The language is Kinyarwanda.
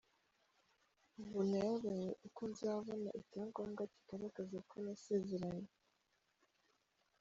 Ubu nayobewe uko nzabona icyangombwa kigaragaza ko nasezeranye.